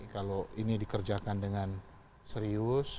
kalau ini dikerjakan dengan serius